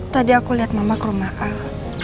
tadi aku lihat mama ke rumah al